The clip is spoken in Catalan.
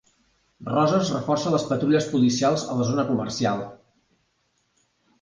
Roses reforça les patrulles policials a la zona comercial.